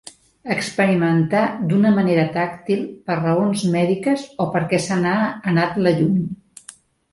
Experimentar d'una manera tàctil per raons mèdiques o perquè se n'ha anat la llum.